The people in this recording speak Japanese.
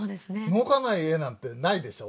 動かない絵なんてないでしょ？